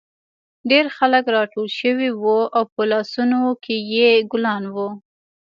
ډېر خلک راټول شوي وو او په لاسونو کې یې ګلان وو